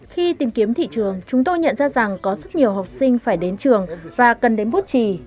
khi tìm kiếm thị trường chúng tôi nhận ra rằng có rất nhiều học sinh phải đến trường và cần đến bút trì